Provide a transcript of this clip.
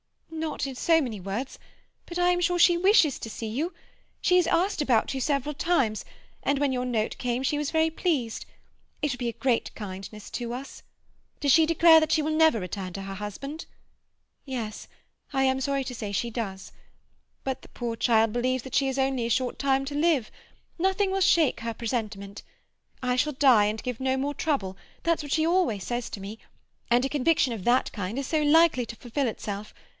"Not in so many words—but I am sure she wishes to see you. She has asked about you several times, and when your note came she was very pleased. It would be a great kindness to us—" "Does she declare that she will never return to her husband?" "Yes—I am sorry to say she does. But the poor child believes that she has only a short time to live. Nothing will shake her presentiment. "I shall die, and give no more trouble"—that's what she always says to me. And a conviction of that kind is so likely to fulfil itself.